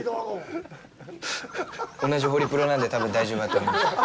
同じホリプロなんで多分大丈夫だと思います。